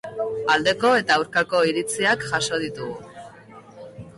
Aldeko eta aurkako iritziak jaso ditugu.